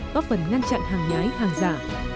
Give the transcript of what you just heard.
góp phần ngăn chặn hàng nhái hàng giả